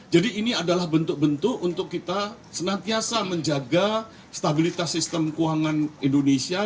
jadi ini adalah bentuk bentuk untuk kita senantiasa menjaga stabilitas sistem keuangan indonesia